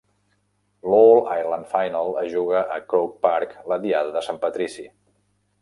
L'"All-Ireland Final" es juga al Croke Park la diada de Sant Patrici.